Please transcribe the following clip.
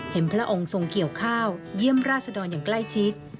พระองค์ทรงเกี่ยวข้าวเยี่ยมราชดรอย่างใกล้ชิด